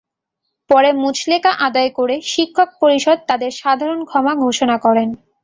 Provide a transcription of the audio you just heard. পরে মুচলেকা আদায় করে শিক্ষক পরিষদ তাঁদের সাধারণ ক্ষমা ঘোষণা করেন।